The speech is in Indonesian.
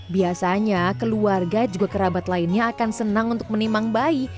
biasanya keluarga juga kerabat lainnya akan senang untuk menimang bayi